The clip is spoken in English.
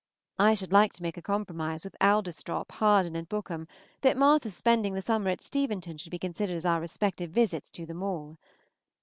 I should like to make a compromise with Adlestrop, Harden, and Bookham, that Martha's spending the summer at Steventon should be considered as our respective visits to them all.